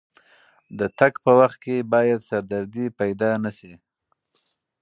د تګ په وخت کې باید سردردي پیدا نه شي.